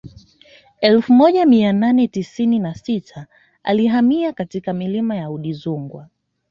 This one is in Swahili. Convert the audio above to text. Elfu moja mia nane tisini na sita alihamia katika milima ya Udzungwa